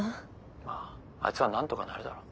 まああいつはなんとかなるだろ。